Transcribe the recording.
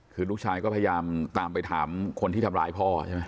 คือลูกชายก็พยายามตามไปถามคนที่ทำร้ายพ่อใช่ไหม